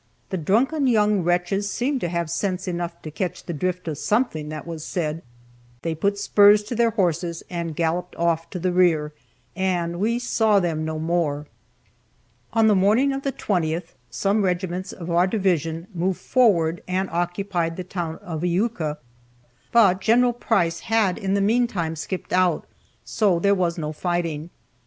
The drunken young wretches seemed to have sense enough to catch the drift of something that was said, they put spurs to their horses and galloped off to the rear, and we saw them no more. On the morning of the 20th some regiments of our division moved forward and occupied the town of Iuka, but Gen. Price had in the meantime skipped out, so there was no fighting.